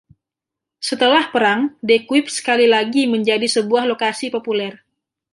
Setelah perang, De Kuip sekali lagi menjadi sebuah lokasi populer.